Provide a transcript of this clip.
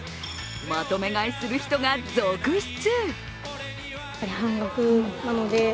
まとめ買いする人が続出。